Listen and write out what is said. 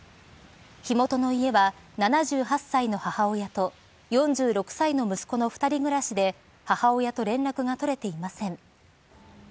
火元の家は７８歳の母親と４６歳の息子の２人暮らしで母親と連絡が取れていません。